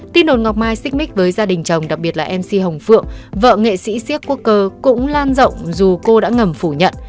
tin đồn ngọc mai xích mích với gia đình chồng đặc biệt là mc hồng phượng vợ nghệ sĩ siếc quốc cơ cũng lan rộng dù cô đã ngầm phủ nhận